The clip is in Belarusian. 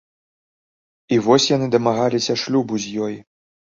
І вось яны дамагаліся шлюбу з ёй.